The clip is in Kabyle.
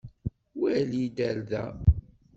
Wali-d ar da!